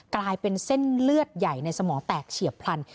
กลายเป็นเส้นเลือดใหญ่ในสมองแตกเฉียบพลัน